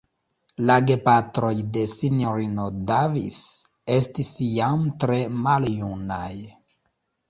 La gepatroj de Sinjorino Davis estis jam tre maljunaj.